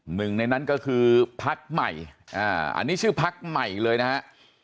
หนึ่งในนั้นก็คือพักใหม่อันนี้ชื่อพักใหม่เลยนะฮะ